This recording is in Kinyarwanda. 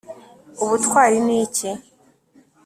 ubutwari ni iki